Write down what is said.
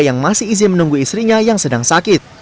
yang masih izin menunggu istrinya yang sedang sakit